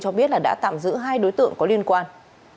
cho biết là đã tạm giữ hai đối tượng có liên quan